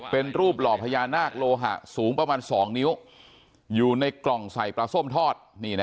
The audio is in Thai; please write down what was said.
เป็นรูปหล่อพญานาคโลหะสูงประมาณ๒นิ้วอยู่ในกล่องใส่ปลาส้มทอด